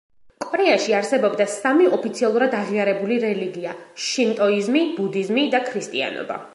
კორეაში არსებობდა სამი ოფიციალურად აღიარებული რელიგია: შინტოიზმი, ბუდიზმი და ქრისტიანობა.